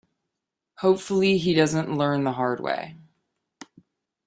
Hopefully he doesn't learn the hard way.